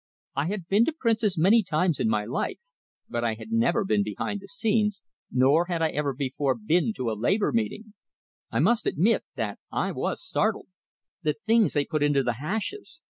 I had been to Prince's many times in my life, but I had never been behind the scenes, nor had I ever before been to a labor meeting. I must admit that I was startled. The things they put into the hashes!